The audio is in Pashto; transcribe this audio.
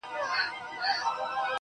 • د گناهونو شاهدي به یې ویښتان ورکوي.